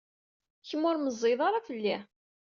Kemm ur meẓẓiyed ara fell-i.